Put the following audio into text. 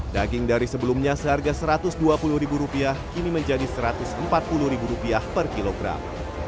daging dari sebelumnya seharga rp satu ratus dua puluh kini menjadi rp satu ratus empat puluh per kilogram